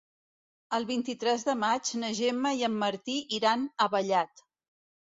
El vint-i-tres de maig na Gemma i en Martí iran a Vallat.